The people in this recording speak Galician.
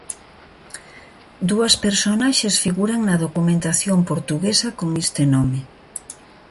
Dúas personaxes figuran na documentación portuguesa con este nome.